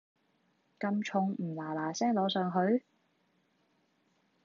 咁重唔嗱嗱聲攞上去？